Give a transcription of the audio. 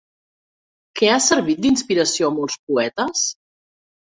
Què ha servit d'inspiració a molts poetes?